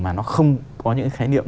mà nó không có những cái khái niệm